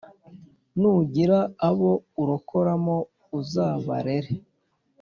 Nugira abo urokoramo uzabarere